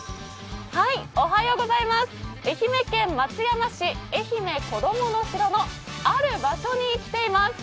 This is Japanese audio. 愛媛県松山市、えひめこどもの城のある場所に来ています。